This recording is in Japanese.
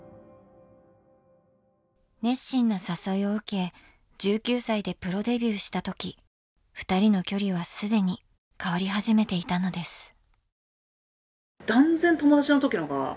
熱心な誘いを受け１９歳でプロデビューした時ふたりの距離は既に変わり始めていたのです。